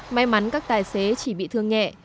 may mắn các tài xế chỉ bị thương nhẹ